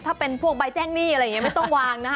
ถ้าเป็นพวกใบแจ้งหนี้อะไรอย่างนี้ไม่ต้องวางนะ